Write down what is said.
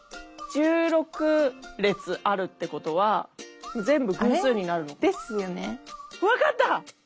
１６列あるってことは全部偶数になるのか。ですよね。